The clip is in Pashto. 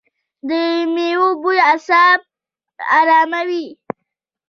د میوو بوی اعصاب اراموي.